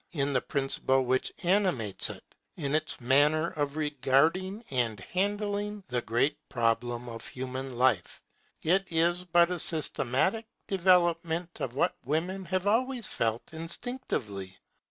In the principle which animates it, in its manner of regarding and of handling the great problem of human life, it is but a systematic development of what women have always felt instinctively.